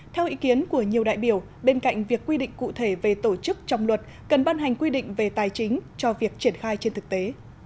theo ý kiến của nhiều đại biểu bên cạnh việc quy định cụ thể về tổ chức trong luật cần ban hành quy định về tài chính cho việc triển khai trên thực tế